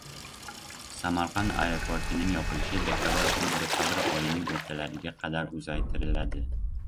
Samarqand aeroportining yopilishi dekabr oyining o‘rtalariga qadar uzaytiriladi